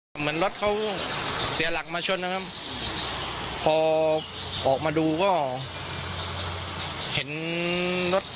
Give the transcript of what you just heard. เหมือนรถเขาเสียหลักมาชนนะครับพอออกมาดูก็เห็นรถ